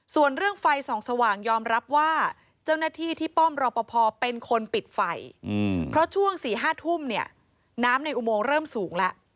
ส่วนเรื่องไฟส่องสว่างยอมรับว่าเจ้าหน้าที่ที่ป้อมรอปภเป็นคนปิดไฟเพราะช่วง๔๕ทุ่มเนี่ยน้ำในอุโมงเริ่มสูงแล้ว